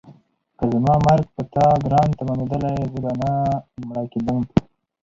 که زما مرګ په تا ګران تمامېدلی زه به نه مړه کېدم.